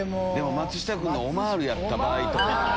松下君のオマールやった場合。